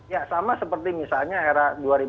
ya sama seperti misalnya era dua ribu sembilan belas